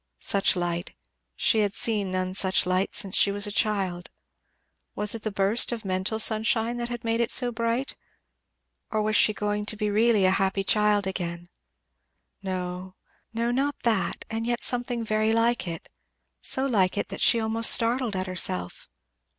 Such light she had seen none such light since she was a child. Was it the burst of mental sunshine that had made it so bright? or was she going to be really a happy child again? No no, not that; and yet something very like it. So like it that she almost startled at herself.